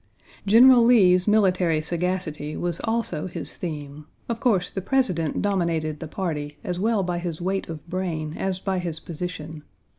General Lee's military sagacity was also his theme. of course the President dominated the party, as well by his weight of brain as by his position.